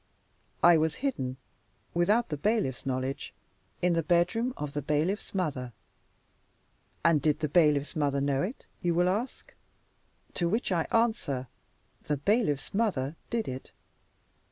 I was hidden (without the bailiff's knowledge) in the bedroom of the bailiff's mother. And did the bailiff's mother know it? you will ask. To which I answer: the bailiff's mother did it.